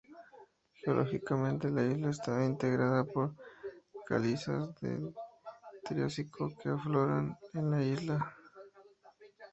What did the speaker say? Geológicamente, la isla está integrada por calizas del Triásico que afloran en la isla.